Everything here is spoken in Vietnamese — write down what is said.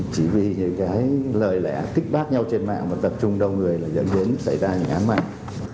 chỉ vì những cái lời lẽ kích bác nhau trên mạng và tập trung đông người là dẫn hướng xảy ra án mạng